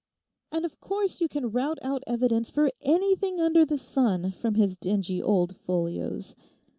And of course you can rout out evidence for anything under the sun from his dingy old folios.